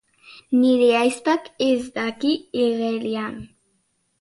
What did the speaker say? Baina egia esan, emakumezko taldeak oso bakanak izan ziren.